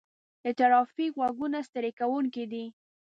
د ترافیک غږونه ستړي کوونکي دي.